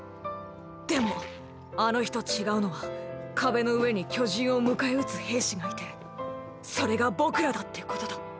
でもあの日と違うのは壁の上に巨人を迎え撃つ兵士がいてそれが僕らだってことだ。